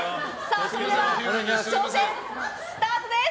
それでは、スタートです！